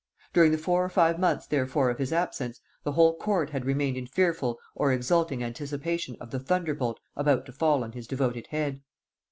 During the four or five months therefore of his absence, the whole court had remained in fearful or exulting anticipation of the thunderbolt about to fall on his devoted head.